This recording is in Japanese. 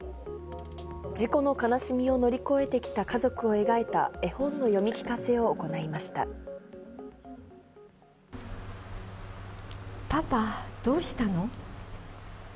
事故の悲しみを乗り越えてきた家族を描いた絵本の読み聞かせを行パパ、どうしたの。